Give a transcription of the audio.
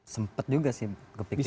sempat juga sih kepikiran